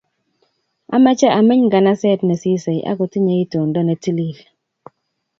Amache ameny nganaset ne sisei ak kotinyei itondo ne tilil